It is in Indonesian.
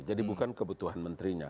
jadi bukan kebutuhan menterinya